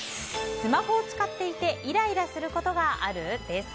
スマホを使っていてイライラすることがある？です。